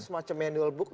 jadi semacam manual book